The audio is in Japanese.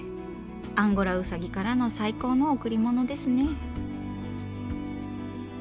アンゴラウサギからの最高の贈り物ですね。